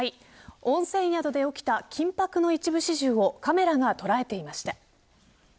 温泉宿で起きた緊迫の一部始終をカメラが捉えていました。